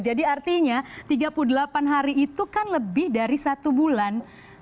jadi artinya tiga puluh delapan hari itu kan lebih dari satu bulan